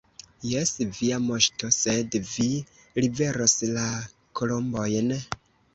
Jes, Via Moŝto, sed vi liveros la kolombojn?